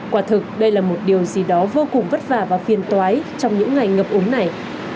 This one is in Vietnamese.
quả thực đây là một điều gì đó vô cùng vất vả và phiền toái trong những ngày ngập ống này